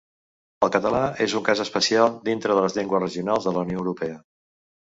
El català és un cas especial dintre de les llengües regionals de la Unió Europea.